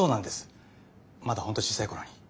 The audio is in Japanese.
まだ本当小さい頃に。